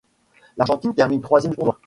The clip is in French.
L'Argentine termine troisième du tournoi.